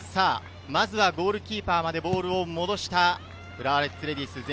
まずはゴールキーパーまでボールを戻した浦和レッズレディース。